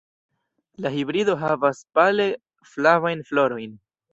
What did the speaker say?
La hibrido havas pale flavajn florojn.